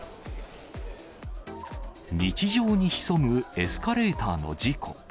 日常に潜むエスカレーターの事故。